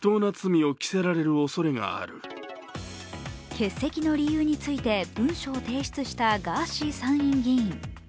欠席の理由について、文書を提出したガーシー参院議員。